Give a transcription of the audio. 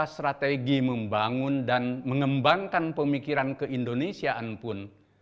strategi membangun dan mengembangkan pemikiran keindonesiaan pun